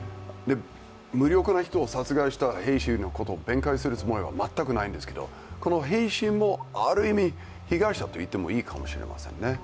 無力な人を殺害した兵士のことを弁解するつもりは全くないんですけどこの兵士もある意味、被害者といってもいいかもしれませんね。